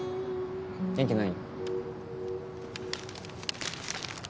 元気ない？